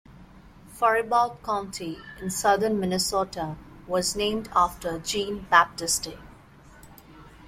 Faribault County in southern Minnesota was named after Jean-Baptiste.